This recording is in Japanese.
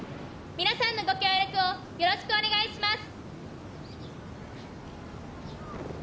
皆さんのご協力をよろしくお願いします。